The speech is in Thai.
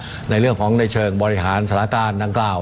เป็นการแสดงของเชิงบริฐานสาระตาลนางกล่าว